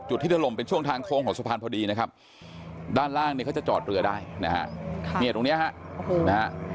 ที่ถล่มเป็นช่วงทางโค้งของสะพานพอดีนะครับด้านล่างเนี่ยเขาจะจอดเรือได้นะฮะเนี่ยตรงนี้ฮะนะฮะ